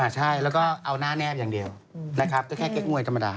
ใช่แล้วก็เอาหน้าแนบอย่างเดียวนะครับก็แค่เก๊กมวยธรรมดา